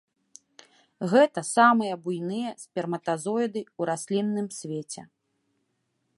Гэта самыя буйныя сперматазоіды ў раслінным свеце.